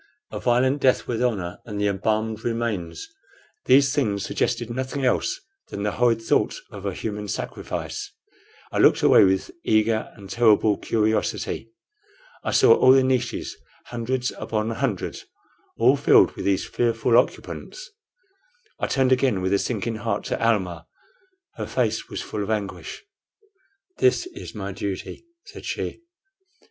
A violent death with honor, and the embalmed remains these things suggested nothing else than the horrid thought of a human sacrifice. I looked away with eager and terrible curiosity. I saw all the niches, hundreds upon hundreds, all filled with these fearful occupants. I turned again with a sinking heart to Almah. Her face was full of anguish. "This is my duty," said she.